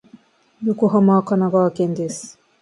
横浜は神奈川県です。